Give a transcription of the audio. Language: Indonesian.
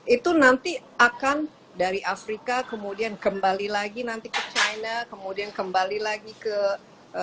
itu nanti akan dari afrika kemudian kembali lagi nanti ke china kemudian kembali lagi ke indonesia